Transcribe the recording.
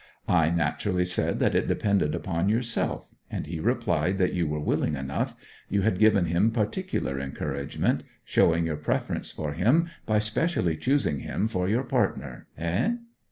I naturally said that it depended upon yourself; and he replied that you were willing enough; you had given him particular encouragement showing your preference for him by specially choosing him for your partner hey?